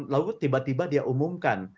lalu tiba tiba dia umumkan